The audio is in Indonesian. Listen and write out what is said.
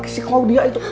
si claudia itu